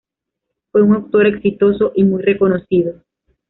Fue un autor exitoso y muy reconocido.